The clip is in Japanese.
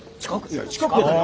いや近くだよ！